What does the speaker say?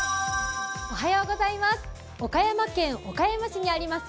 岡山県岡山市にあります